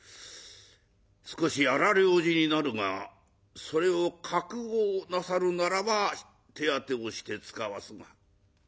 少し荒療治になるがそれを覚悟なさるならば手当てをしてつかわすが」。